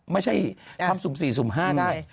ไม่ใช่ทำสุ่ม๔สุ่ม๕ได้